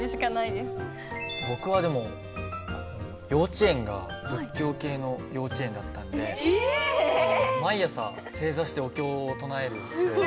僕はでも幼稚園が仏教系の幼稚園だったんで毎朝正座してお経を唱えるような幼稚園だったんで。